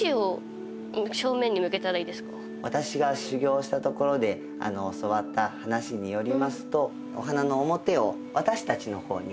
これ私が修行したところで教わった話によりますとお花の表を私たちの方に置かせて頂きます。